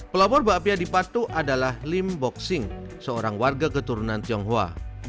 pelopor bakpia di patok adalah lim bok sing seorang warga keturunan tionghoa